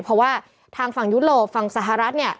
เพราะว่าทางฝั่งยุโรปฝั่งสหรัฐเนี่ย